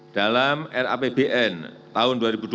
dalam rapbn tahun dua ribu dua puluh